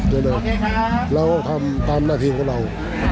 เราก็ทำตามหน้าทีของเรา